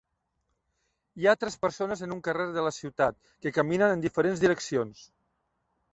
Hi ha tres persones en un carrer de la ciutat que caminen en diferents direccions.